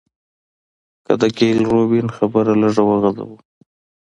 که د ګيل روبين خبره لږه وغزوو